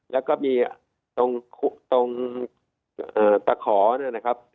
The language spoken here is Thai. แล้วก็มีตรงตะขอนะครับ